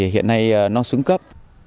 hiện nay nó xuống cấp